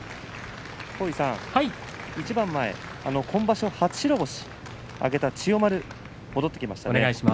今場所、初白星を挙げた千代丸が戻ってきました。